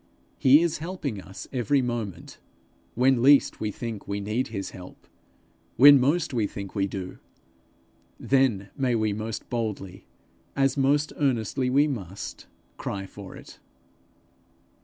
He is helping us every moment, when least we think we need his help; when most we think we do, then may we most boldly, as most earnestly we must, cry for it.